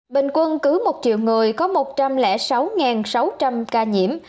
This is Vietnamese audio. bình quân cứ một triệu người có một trăm linh sáu sáu trăm linh ca nhiễm